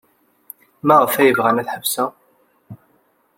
Maɣef ay bɣan ad ḥebseɣ?